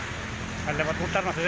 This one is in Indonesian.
tidak lewat muter maksudnya